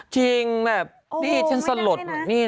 จริงแบบนี่ฉันสลด